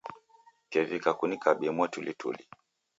Kevika kunikabie mwatulituli.